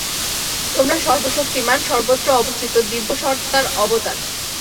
তোমরা সর্বশক্তিমান্, সর্বত্র অবস্থিত, দিব্যসত্তার অবতার।